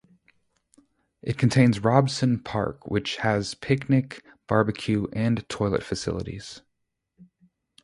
It contains Robson Park, which has picnic, barbecue and toilet facilities.